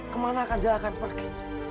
kemana kandah akan pergi